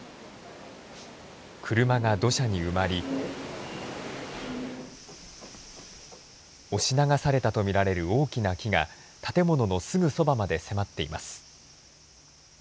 車が土砂に埋まり押し流されたと見られる大きな木が建物のすぐそばまで迫っています。